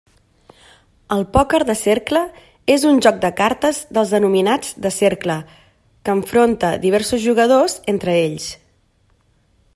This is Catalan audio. El pòquer de cercle és un joc de cartes dels denominats de cercle que enfronta diversos jugadors entre ells.